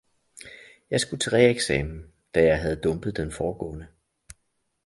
Jeg skulle til reeksamen, da jeg havde dumpet den foregående.